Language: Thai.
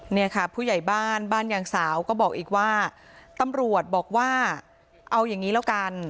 เนี่ยค่ะผู้ใหญ่บ้านบ้านยางสาวก็บอกอีกว่าตำรวจบอกว่าเอาอย่างนี้แล้วกัน